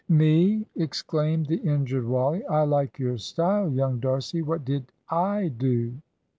"Me?" exclaimed the injured Wally; "I like your style, young D'Arcy; what did I do?"